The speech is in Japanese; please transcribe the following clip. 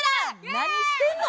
何してんの？